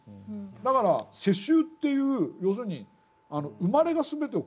だから世襲っていう要するに生まれが全てを決定する的な。